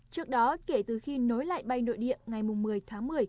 trước đó kể từ khi nối lại bay nội địa ngày một mươi tháng một mươi